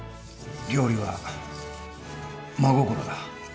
料理は真心だ